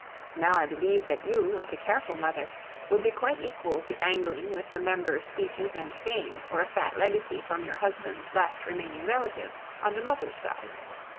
Now I believe that you, like a careful mother, would be quite equal to angling with the member's speeches and fame for a fat legacy from your husband's last remaining relative on the mother's side.